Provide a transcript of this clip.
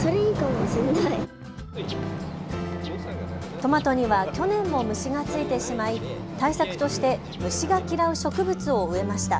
トマトには去年も虫がついてしまい、対策として虫が嫌う植物を植えました。